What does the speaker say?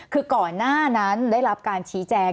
คือก่อนหน้านั้นได้รับการชี้แจง